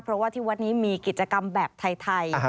เพราะว่าที่วัดนี้มีกิจกรรมแบบไทย